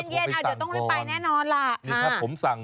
ยังไม่เปิดก็จะโทรไปสั่งก่อน